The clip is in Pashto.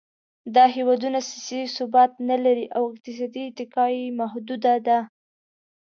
دا هېوادونه سیاسي ثبات نهلري او اقتصادي اتکا یې محدوده ده.